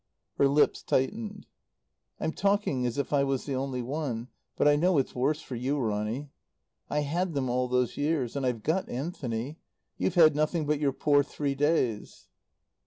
Her lips tightened. "I'm talking as if I was, the only one. But I know it's worse for you, Ronny. I had them all those years. And I've got Anthony. You've had nothing but your poor three days."